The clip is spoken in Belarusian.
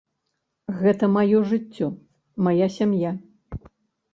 Гэта маё жыццё, мая сям'я.